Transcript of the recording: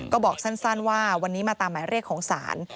ก็บอกสั้นว่าวันนี้มาตามหมายเรียกของศาล